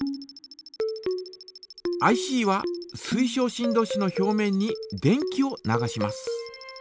ＩＣは水晶振動子の表面に電気を流します。